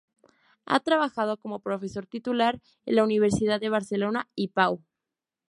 Ha trabajado como profesor titular en las universidades de Barcelona y Pau.